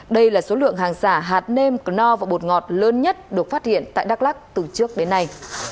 đây là số lượng hàng giả hạt nêm cơ no và bột ngọt lớn nhất được phát hiện tại đắk lắc từ trước đến nay